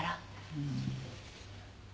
うん。